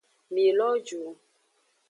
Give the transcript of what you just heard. Mi lo ju.